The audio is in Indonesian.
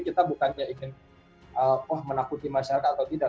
kita bukannya ingin menakuti masyarakat atau tidak